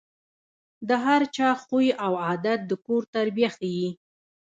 د هر چا خوی او عادت د کور تربیه ښيي.